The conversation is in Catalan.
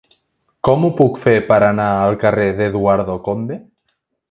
Com ho puc fer per anar al carrer d'Eduardo Conde?